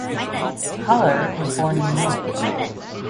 Haller was born in Munich.